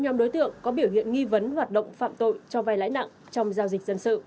nhóm đối tượng có biểu hiện nghi vấn hoạt động phạm tội cho vai lãi nặng trong giao dịch dân sự